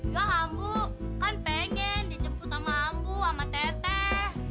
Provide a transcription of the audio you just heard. ya ambu kan pengen dijemput sama ambu sama teteh